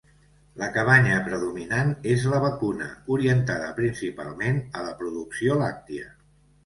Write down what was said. La cabanya predominant és la vacuna, orientada principalment a la producció làctia.